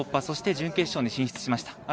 そして準決勝に進出しました。